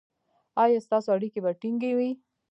ایا ستاسو اړیکې به ټینګې وي؟